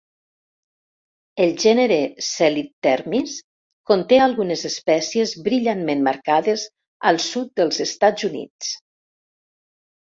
El gènere "Celithermis" conté algunes espècies brillantment marcades al sud dels Estats Units.